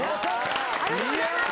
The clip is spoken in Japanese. ありがとうございます！